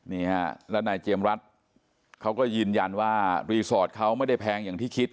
นี่ฮะแล้วนายเจมรัฐเขาก็ยืนยันว่ารีสอร์ทเขาไม่ได้แพงอย่างที่คิด